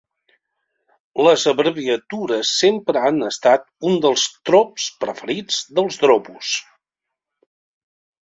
Les abreviatures sempre han estat un dels trops preferits dels dropos.